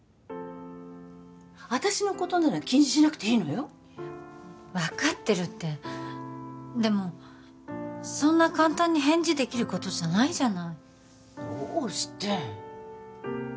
私のことなら気にしなくていいのよ分かってるってでもそんな簡単に返事できることじゃないじゃないどうして？